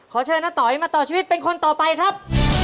เชิญน้าต๋อยมาต่อชีวิตเป็นคนต่อไปครับ